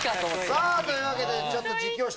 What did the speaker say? さぁというわけでちょっと。